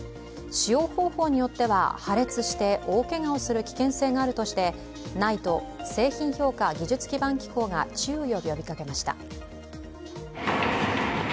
使用方法によっては破裂して大けがをする危険性があるとして、ＮＩＴＥ＝製品評価技術基盤機構が注意を呼びかけました。